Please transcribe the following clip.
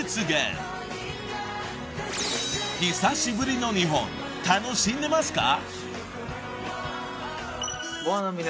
［久しぶりの日本楽しんでますか？］